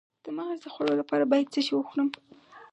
د مغز د خوړو لپاره باید څه شی وخورم؟